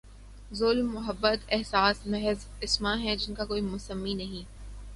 ظلم، محبت، احساس، محض اسما ہیں جن کا کوئی مسمی نہیں؟